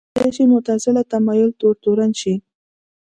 کېدای شو معتزله تمایل تور تورن شي